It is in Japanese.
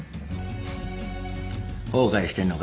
後悔してんのか？